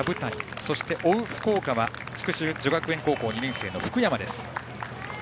そして追う福岡は筑紫女学園高校２年生の福山です。